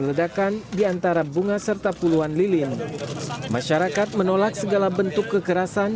ledakan diantara bunga serta puluhan lilin masyarakat menolak segala bentuk kekerasan